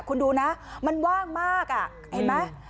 คุณดูนะมันว่างมากอ่ะ